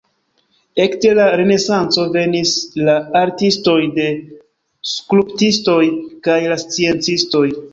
Ekde la renesanco venis la artistoj, la skulptistoj kaj la sciencistoj.